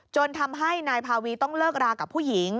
จนทำให้นายพาวีต้องเลิกรากับผู้หญิง